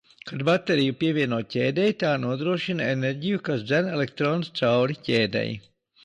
Kad bateriju pievieno ķēdei, tā nodrošina enerģiju, kas dzen elektronus cauri ķēdei.